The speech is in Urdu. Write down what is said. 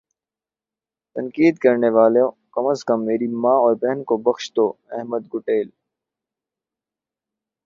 تنقید کرنے والو کم از کم میری ماں اور بہن کو بخش دو احمد گوڈیل